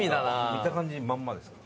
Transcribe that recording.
見た感じまんまですか？